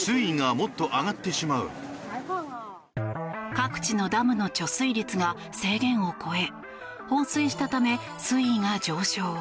各地のダムの貯水率が制限を超え放水したため水位が上昇。